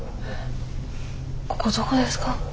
ここどこですか？